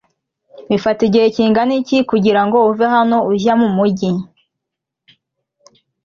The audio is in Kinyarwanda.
bifata igihe kingana iki kugira ngo uve hano ujya mu mujyi